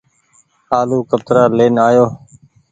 آلو ڪترآ لين آئو ۔